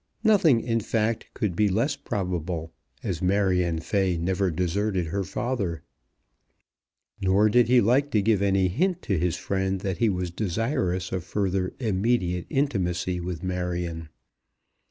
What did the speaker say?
Nothing, in fact, could be less probable, as Marion Fay never deserted her father. Nor did he like to give any hint to his friend that he was desirous of further immediate intimacy with Marion.